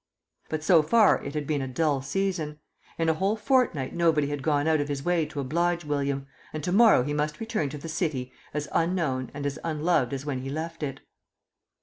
But so far it had been a dull season; in a whole fortnight nobody had gone out of his way to oblige William, and to morrow he must return to the City as unknown and as unloved as when he left it.